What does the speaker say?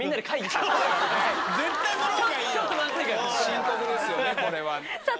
深刻ですよねこれは。さあ